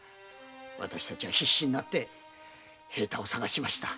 私たちは必死になって平太を探しました。